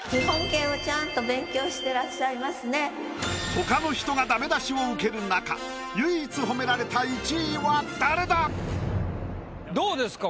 ほかの人がダメ出しを受けるなか唯一褒められた１位は誰だ⁉どうですか？